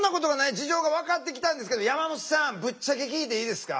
事情が分かってきたんですけど山本さんぶっちゃけ聞いていいですか？